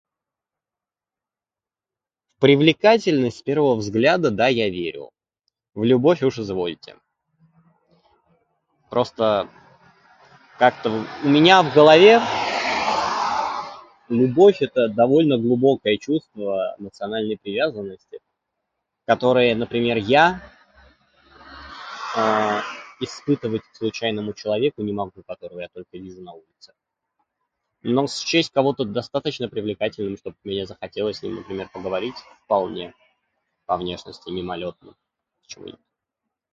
В привлекательность с первого взгляда да, я верю. В любовь уж извольте. Просто как-то у меня в голове любовь - это довольно глубокое чувство эмоциональной привязанности, которое, например, я, э-э, испытывать к случайному человеку не могу, которого я только вижу на улице. Но счесть кого-то достаточно привлекательным, чтоб мне захотелось с ним, например, поговорить, вполне. По внешности мимолётно. Почему нет?